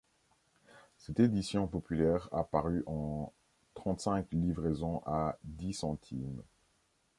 Cette édition populaire a paru en trente-cinq livraisons à dix centimes.